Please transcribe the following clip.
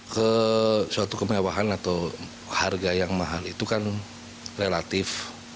kesuatu kemewahan atau harga yang mahal itu kan relatif